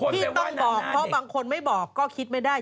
ที่ต้องบอกเพราะบางคนไม่บอกก็คิดไม่ได้